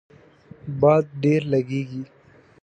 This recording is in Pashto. باد ډیر لږیږي